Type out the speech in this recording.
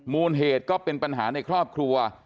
มูลเหตุก็เป็นปัญหาในครอบครัว